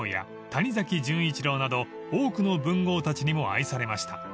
谷崎潤一郎など多くの文豪たちにも愛されました］